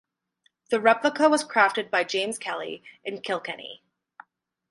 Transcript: The replica was crafted by James Kelly in Kilkenny.